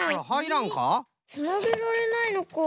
つなげられないのか。